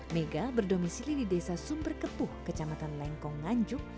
mega berdomisili di desa sumber kepuh kecamatan lengkong nganjuk